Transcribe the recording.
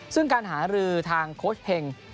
ซึ่งการหารือทางโค้ชเฮง